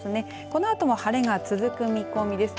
このあとも晴れが続く見込みです。